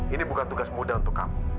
ini bukan tugas muda untuk kamu